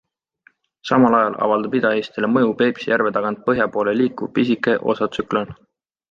Samal ajal avaldab Ida-Eestile mõju Peipsi järve tagant põhja poole liikuv pisike osatsüklon.